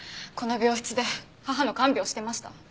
この病室で母の看病してました。